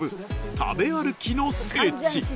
食べ歩きの聖地広蔵